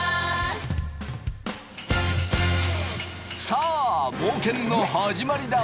さあ冒険の始まりだ！